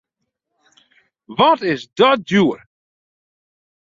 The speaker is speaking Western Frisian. Wat is dat djoer!